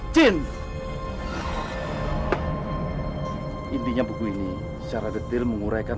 tentang bagaimana manusia bersaudara dengan jin